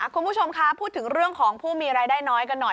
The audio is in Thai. คุณผู้ชมคะพูดถึงเรื่องของผู้มีรายได้น้อยกันหน่อย